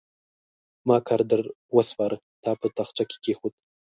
ما کار در وسپاره؛ تا په تاخچه کې کېښود.